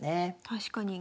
確かに。